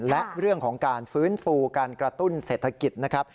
และเรื่องของการฟื้นฟูการกระตุ้นเศรษฐกิจนะครับ